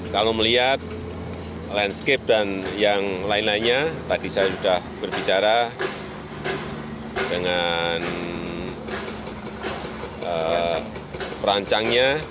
kalau melihat landscape dan yang lain lainnya tadi saya sudah berbicara dengan perancangnya